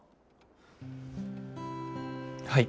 はい。